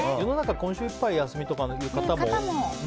今週いっぱい休みとかっていう方もね。